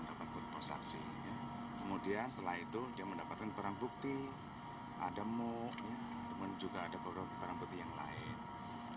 kemudian setelah itu dia mendapatkan barang bukti ada mu dan juga ada barang bukti yang lain